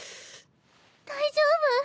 大丈夫！？